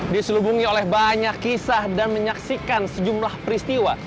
diselubungi oleh banyak kisah dan menyaksikan sejumlah peristiwa